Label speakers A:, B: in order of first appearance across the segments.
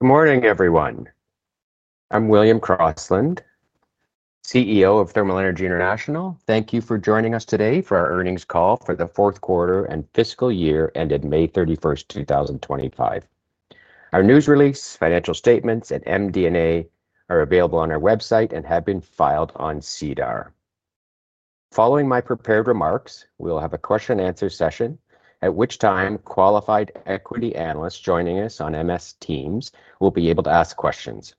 A: Good morning, everyone. I'm William Crossland, CEO of Thermal Energy International. Thank you for joining us today for our earnings call for the fourth quarter and fiscal year ended May 31, 2025. Our news release, financial statements, and MD&A are available on our website and have been filed on SEDAR. Following my prepared remarks, we'll have a question-and-answer session, at which time qualified equity analysts joining us on MS Teams will be able to ask questions.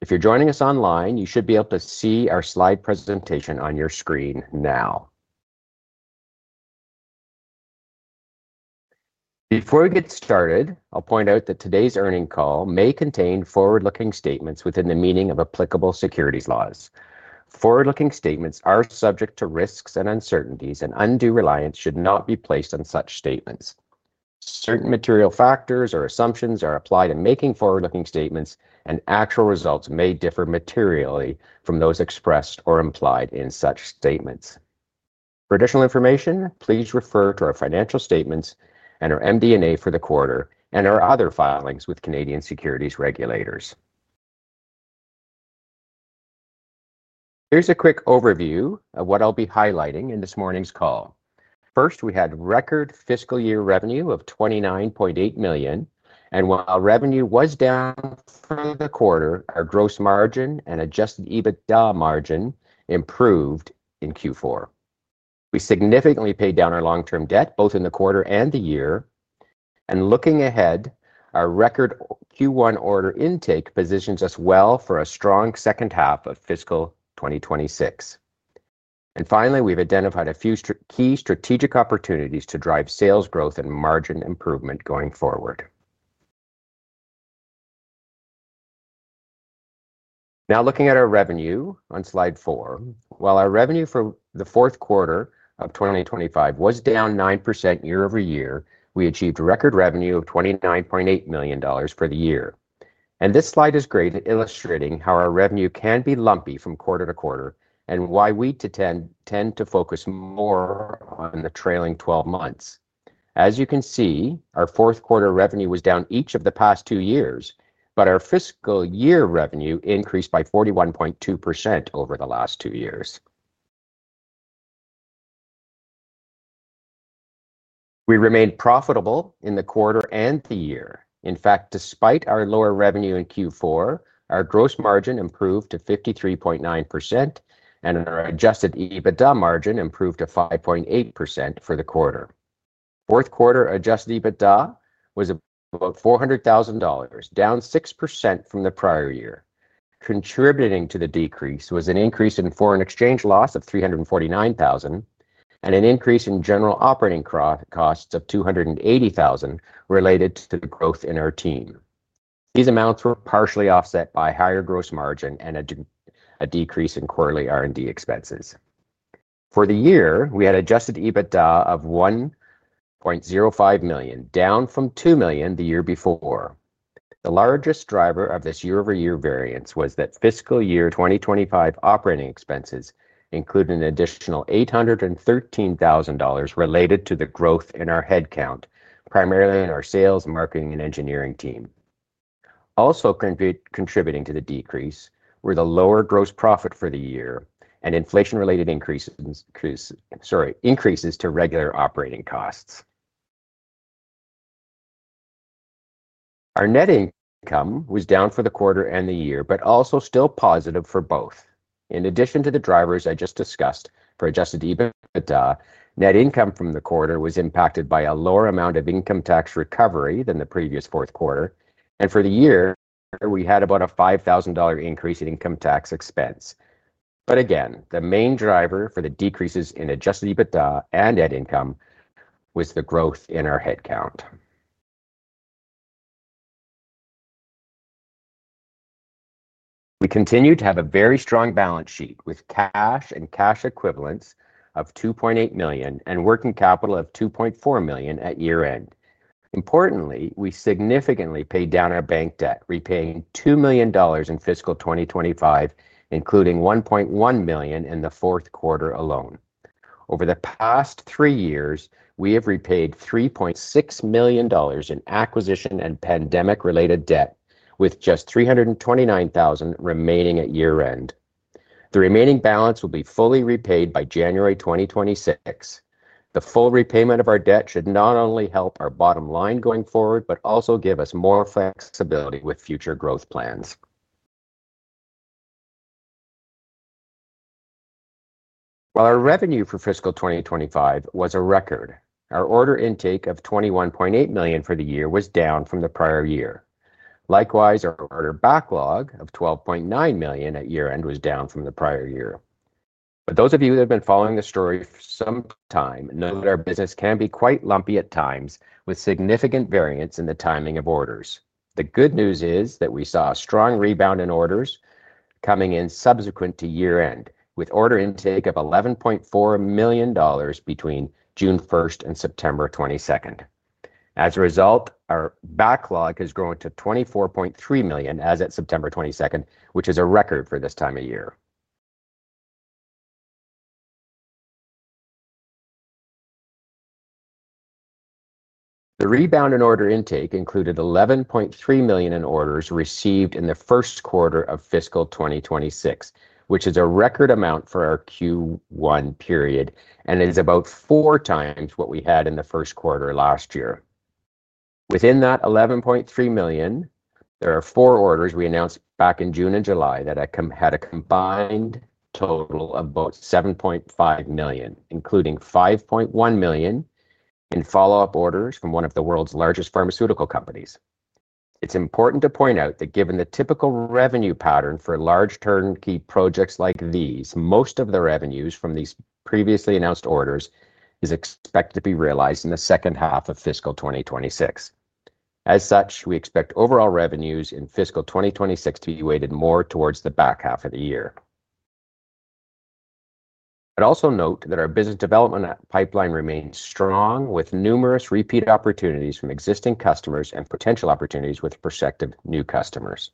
A: If you're joining us online, you should be able to see our slide presentation on your screen now. Before we get started, I'll point out that today's earnings call may contain forward-looking statements within the meaning of applicable securities laws. Forward-looking statements are subject to risks and uncertainties, and undue reliance should not be placed on such statements. Certain material factors or assumptions are applied in making forward-looking statements, and actual results may differ materially from those expressed or implied in such statements. For additional information, please refer to our financial statements and our MD&A for the quarter and our other filings with Canadian securities regulators. Here's a quick overview of what I'll be highlighting in this morning's call. First, we had record fiscal year revenue of $29.8 million, and while revenue was down for the quarter, our gross margin and adjusted EBITDA margin improved in Q4. We significantly paid down our long-term debt, both in the quarter and the year, and looking ahead, our record Q1 order intake positions us well for a strong second half of fiscal 2026. Finally, we've identified a few key strategic opportunities to drive sales growth and margin improvement going forward. Now looking at our revenue on slide four, while our revenue for the fourth quarter of 2025 was down 9% year over year, we achieved record revenue of $29.8 million for the year. This slide is great at illustrating how our revenue can be lumpy from quarter to quarter and why we tend to focus more on the trailing 12 months. As you can see, our fourth quarter revenue was down each of the past two years, but our fiscal year revenue increased by 41.2% over the last two years. We remained profitable in the quarter and the year. In fact, despite our lower revenue in Q4, our gross margin improved to 53.9%, and our adjusted EBITDA margin improved to 5.8% for the quarter. Fourth quarter adjusted EBITDA was about $400,000, down 6% from the prior year. Contributing to the decrease was an increase in foreign exchange loss of $349,000 and an increase in general operating costs of $280,000 related to the growth in our team. These amounts were partially offset by a higher gross margin and a decrease in quarterly R&D expenses. For the year, we had adjusted EBITDA of $1.05 million, down from $2 million the year before. The largest driver of this year-over-year variance was that fiscal year 2025 operating expenses included an additional $813,000 related to the growth in our headcount, primarily in our sales, marketing, and engineering team. Also contributing to the decrease were the lower gross profit for the year and inflation-related increases to regular operating costs. Our net income was down for the quarter and the year, but also still positive for both. In addition to the drivers I just discussed for adjusted EBITDA, net income from the quarter was impacted by a lower amount of income tax recovery than the previous fourth quarter, and for the year, we had about a $5,000 increase in income tax expense. Again, the main driver for the decreases in adjusted EBITDA and net income was the growth in our headcount. We continue to have a very strong balance sheet with cash and cash equivalents of $2.8 million and working capital of $2.4 million at year-end. Importantly, we significantly paid down our bank debt, repaying $2 million in fiscal 2025, including $1.1 million in the fourth quarter alone. Over the past three years, we have repaid $3.6 million in acquisition and pandemic-related debt, with just $329,000 remaining at year-end. The remaining balance will be fully repaid by January 2026. The full repayment of our debt should not only help our bottom line going forward, but also give us more flexibility with future growth plans. While our revenue for fiscal 2025 was a record, our order intake of $21.8 million for the year was down from the prior year. Likewise, our order backlog of $12.9 million at year-end was down from the prior year. For those of you that have been following the story for some time, know that our business can be quite lumpy at times, with significant variance in the timing of orders. The good news is that we saw a strong rebound in orders coming in subsequent to year-end, with order intake of $11.4 million between June 1 and September 22. As a result, our backlog has grown to $24.3 million as of September 22, which is a record for this time of year. The rebound in order intake included $11.3 million in orders received in the first quarter of fiscal 2026, which is a record amount for our Q1 period, and it is about four times what we had in the first quarter last year. Within that $11.3 million, there are four orders we announced back in June and July that had a combined total of about $7.5 million, including $5.1 million in follow-up orders from one of the world's largest pharmaceutical companies. It's important to point out that given the typical revenue pattern for large turnkey projects like these, most of the revenues from these previously announced orders are expected to be realized in the second half of fiscal 2026. As such, we expect overall revenues in fiscal 2026 to be weighted more towards the back half of the year. I'd also note that our business development pipeline remains strong, with numerous repeat opportunities from existing customers and potential opportunities with prospective new customers.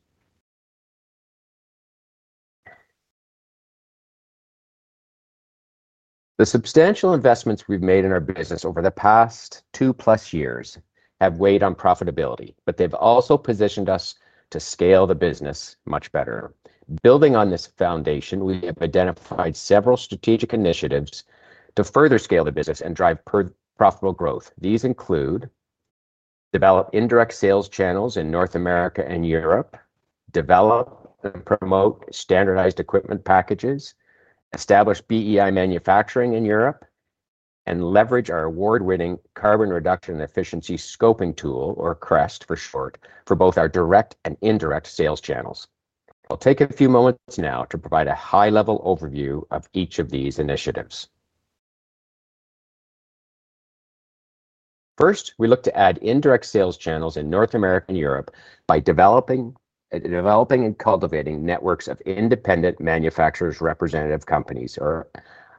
A: The substantial investments we've made in our business over the past two-plus years have weighed on profitability, but they've also positioned us to scale the business much better. Building on this foundation, we have identified several strategic initiatives to further scale the business and drive profitable growth. These include developing indirect sales channels in North America and Europe, developing and promoting standardized equipment packages, establishing BEI manufacturing in Europe, and leveraging our award-winning Carbon Reduction and Efficiency Scoping Tool, or CREST for short, for both our direct and indirect sales channels. I'll take a few moments now to provide a high-level overview of each of these initiatives. First, we look to add indirect sales channels in North America and Europe by developing and cultivating networks of independent manufacturers' representative companies, or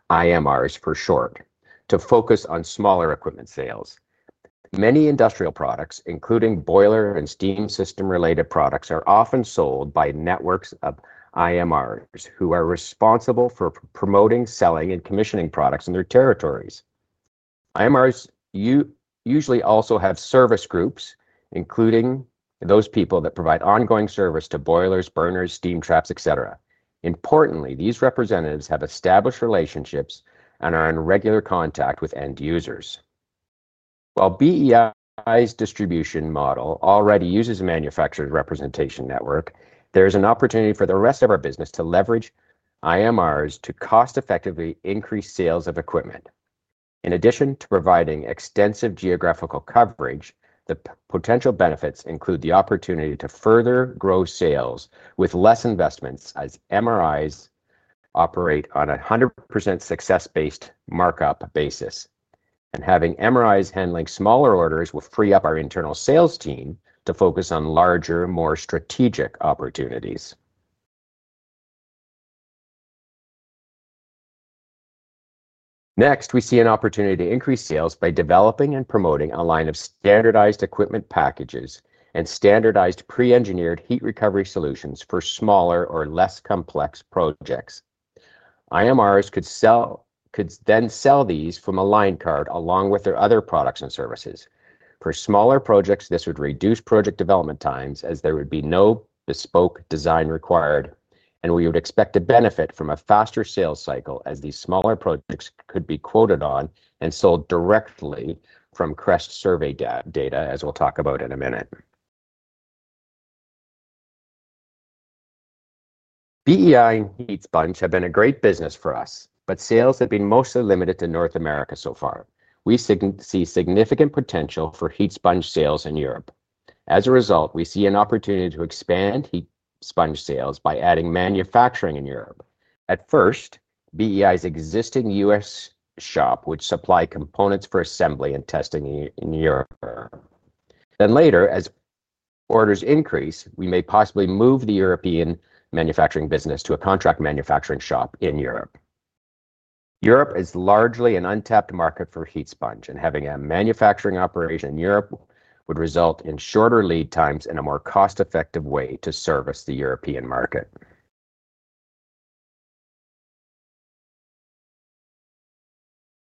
A: IMRs for short, to focus on smaller equipment sales. Many industrial products, including boiler and steam system-related products, are often sold by networks of IMRs who are responsible for promoting, selling, and commissioning products in their territories. IMRs usually also have service groups, including those people that provide ongoing service to boilers, burners, steam traps, etc. Importantly, these representatives have established relationships and are in regular contact with end users. While BEI's distribution model already uses a manufacturer's representation network, there is an opportunity for the rest of our business to leverage IMRs to cost-effectively increase sales of equipment. In addition to providing extensive geographical coverage, the potential benefits include the opportunity to further grow sales with less investment as IMRs operate on a 100% success-based markup basis. Having IMRs handling smaller orders will free up our internal sales team to focus on larger, more strategic opportunities. Next, we see an opportunity to increase sales by developing and promoting a line of standardized equipment packages and standardized pre-engineered heat recovery solutions for smaller or less complex projects. IMRs could then sell these from a line card along with their other products and services. For smaller projects, this would reduce project development times as there would be no bespoke design required, and we would expect to benefit from a faster sales cycle as these smaller projects could be quoted on and sold directly from CREST survey data, as we'll talk about in a minute. BEI and Heat Sponge have been a great business for us, but sales have been mostly limited to North America so far. We see significant potential for Heat Sponge sales in Europe. As a result, we see an opportunity to expand Heat Sponge sales by adding manufacturing in Europe. At first, BEI's existing U.S. shop would supply components for assembly and testing in Europe. Later, as orders increase, we may possibly move the European manufacturing business to a contract manufacturing shop in Europe. Europe is largely an untapped market for Heat Sponge, and having a manufacturing operation in Europe would result in shorter lead times and a more cost-effective way to service the European market.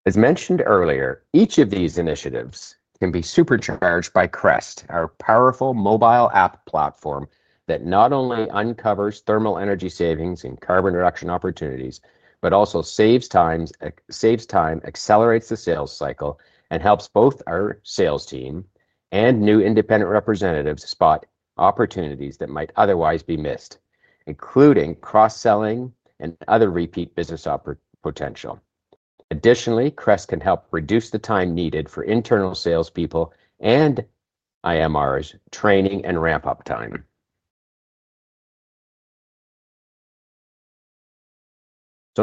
A: As mentioned earlier, each of these initiatives can be supercharged by CREST, our powerful mobile app platform that not only uncovers thermal energy savings and carbon reduction opportunities, but also saves time, accelerates the sales cycle, and helps both our sales team and new independent representatives spot opportunities that might otherwise be missed, including cross-selling and other repeat business potential. Additionally, CREST can help reduce the time needed for internal salespeople and IMRs' training and ramp-up time.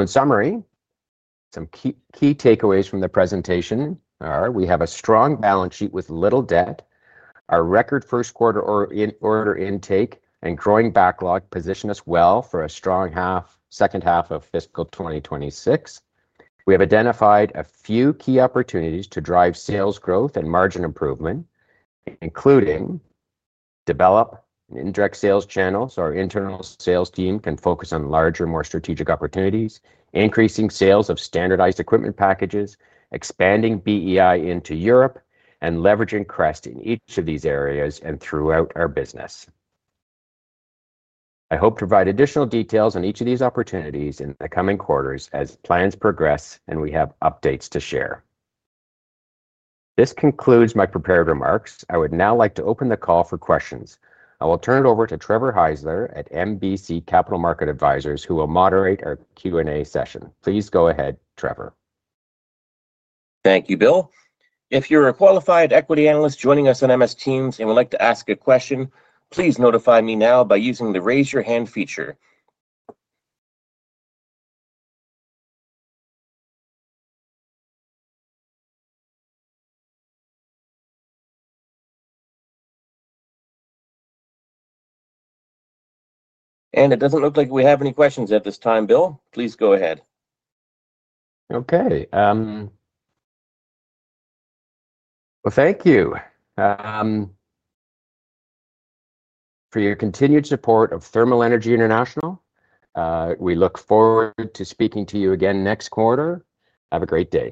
A: In summary, some key takeaways from the presentation are we have a strong balance sheet with little debt. Our record first quarter order intake and growing backlog position us well for a strong second half of fiscal 2026. We have identified a few key opportunities to drive sales growth and margin improvement, including developing indirect sales channels so our internal sales team can focus on larger, more strategic opportunities, increasing sales of standardized equipment packages, expanding BEI into Europe, and leveraging CREST in each of these areas and throughout our business. I hope to provide additional details on each of these opportunities in the coming quarters as plans progress and we have updates to share. This concludes my prepared remarks. I would now like to open the call for questions. I will turn it over to Trevor Heisler at MBC Capital Market Advisors, who will moderate our Q&A session. Please go ahead, Trevor.
B: Thank you, Bill. If you're a qualified equity analyst joining us on MS Teams and would like to ask a question, please notify me now by using the Raise Your Hand feature. It doesn't look like we have any questions at this time, Bill. Please go ahead.
A: Thank you for your continued support of Thermal Energy International. We look forward to speaking to you again next quarter. Have a great day.